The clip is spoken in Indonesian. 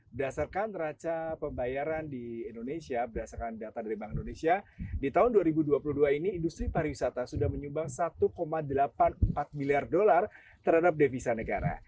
berdasarkan raca pembayaran di indonesia berdasarkan data dari bank indonesia di tahun dua ribu dua puluh dua ini industri pariwisata sudah menyumbang satu delapan puluh empat miliar dolar terhadap devisa negara